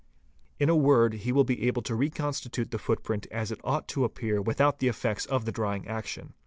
in a word he will be able to reconstitute the footprint as it ought to appear without the effects of the drying action.